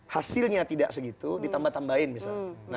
hasilnya tidak segitu ditambah tambahin misalnya